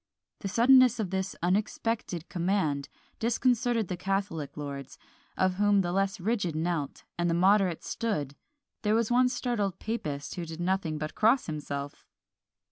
The suddenness of this unexpected command disconcerted the catholic lords, of whom the less rigid knelt, and the moderate stood: there was one startled papist who did nothing but cross himself!